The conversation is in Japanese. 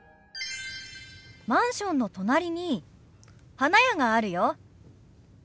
マンションの隣に花屋があるよ。